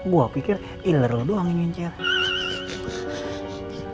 gua pikir iler lu doang yang nyeri